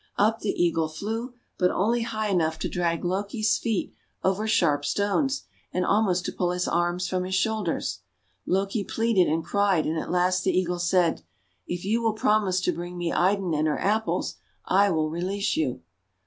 Up the Eagle flew, but only high enough to drag Loki's feet over sharp stones, and almost to pull his arms from his shoulders. Loki pleaded and cried, and at last the Eagle said :— :<If you will promise to bring me Idun and her Apples, I will release you."